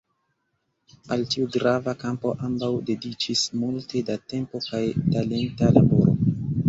Al tiu grava kampo ambaŭ dediĉis multe da tempo kaj talenta laboro.